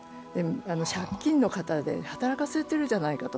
借金の形で働かせてるじゃないかと。